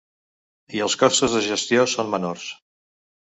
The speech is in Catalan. I els costos de gestió son menors.